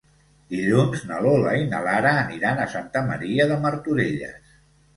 Dilluns na Lola i na Lara aniran a Santa Maria de Martorelles.